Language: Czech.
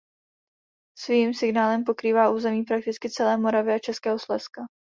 Svým signálem pokrývá území prakticky celé Moravy a Českého Slezska.